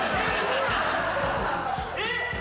えっ？